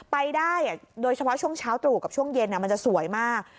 ไปได้โดยเฉพาะช่วงเช้าตรู่กับช่วงเย็นมันจะสวยมาก